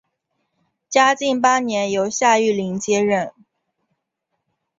嘉靖八年由夏玉麟接任。